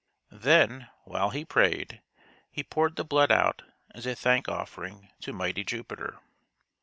Then, while he prayed, he poured the blood out as a thank offering to mighty Jupiter.